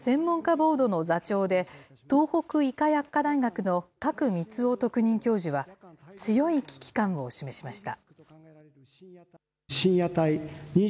ボードの座長で、東北医科薬科大学の賀来満夫特任教授は、強い危機感を示しました。